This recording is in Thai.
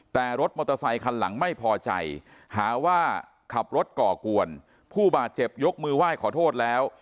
แต่รถมอเตอร์ไซคันหลังไม่พอใจหาว่าขับรถก่อกวนผู้บาดเจ็บยกมือไหว้ขอโทษแล้ว